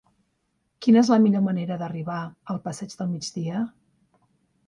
Quina és la millor manera d'arribar al passeig del Migdia?